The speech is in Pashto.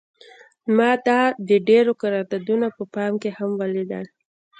ما دا د ډیرو قراردادونو په پای کې هم لیدلی دی